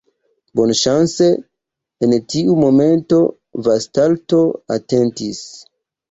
Bonŝance, en tiu momento Vastalto atentis.